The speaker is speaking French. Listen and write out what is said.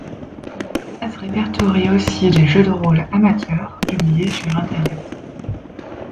La base répertorie aussi des jeux de rôles amateurs publiés sur internet.